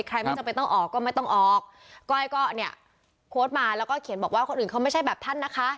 ไม่จำเป็นต้องออกก็ไม่ต้องออกก้อยก็เนี่ยโค้ดมาแล้วก็เขียนบอกว่าคนอื่นเขาไม่ใช่แบบท่านนะคะ